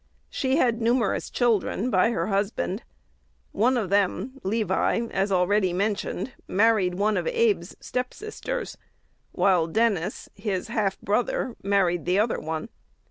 She had numerous children by her husband. One of them, Levi, as already mentioned, married one of Abe's step sisters, while Dennis, his half brother, married the other one.